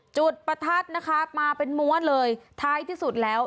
จุดประทัดนะคะมาเป็นม้วนเลยท้ายที่สุดแล้ว